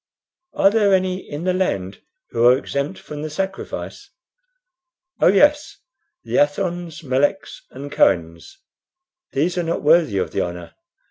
"Are there any in the land who are exempt from the sacrifice?" "Oh yes; the Athons, Meleks, and Kohens these are not worthy of the honor.